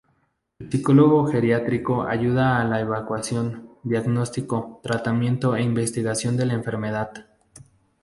El psicólogo geriátrico ayuda en la evaluación, diagnóstico, tratamiento e investigación de la enfermedad.